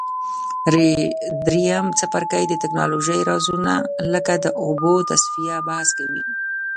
دریم څپرکی د تکنالوژۍ رازونه لکه د اوبو تصفیه بحث کوي.